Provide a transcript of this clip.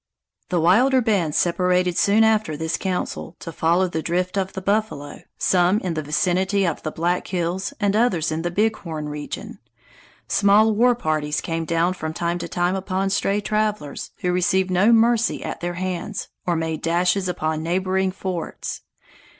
The wilder bands separated soon after this council, to follow the drift of the buffalo, some in the vicinity of the Black Hills and others in the Big Horn region. Small war parties came down from time to time upon stray travelers, who received no mercy at their hands, or made dashes upon neighboring forts.